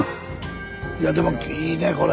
いやでもいいねこれ。